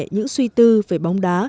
những suy tư về bóng đá